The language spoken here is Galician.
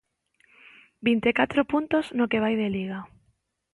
Vinte e catro puntos no que vai de Liga.